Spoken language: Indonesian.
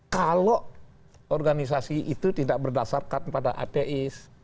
kalau organisasi itu tidak berdasarkan pada ateis